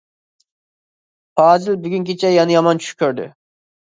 پازىل بۈگۈن كېچە يەنە يامان چۈش كۆردى.